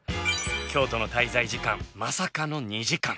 京都の滞在時間まさかの２時間。